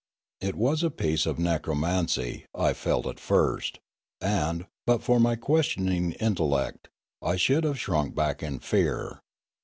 It was a piece of necromancy, I felt at first ; and, but for my questioning intellect, I should have shrunk back in fear.